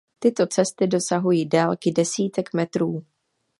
Tyto cesty dosahují délky desítek metrů.